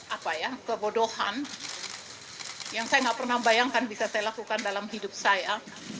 apa ya kebodohan yang saya nggak pernah bayangkan bisa saya lakukan dalam hidup saya